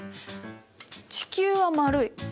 地球は丸い。